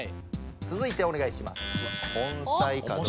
続いておねがいします。